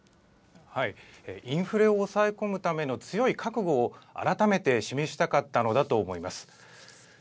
インフレを抑え込むための強い覚悟を改めて示したかったのだと思います。